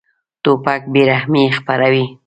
توپک بېرحمي خپروي.